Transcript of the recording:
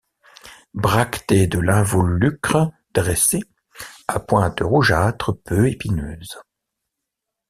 Bractées de l'involucre dressées, à pointe rougeâtre peu épineuse.